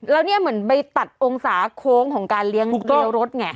แล้วเนี่ยเหมือนไปตัดองศาโค้งของการเลี้ยงแก้วรถไง